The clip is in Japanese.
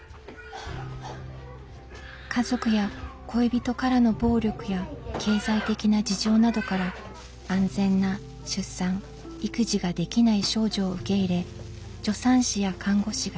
家族や恋人からの暴力や経済的な事情などから安全な出産・育児ができない少女を受け入れ助産師や看護師が２４時間ケアに当たります。